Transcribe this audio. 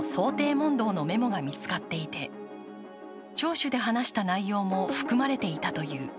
問答のメモが見つかっていて聴取で話した内容も含まれていたという。